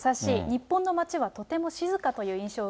日本の街はとても静かという印象